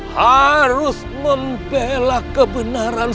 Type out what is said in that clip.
harus membelah kebenaran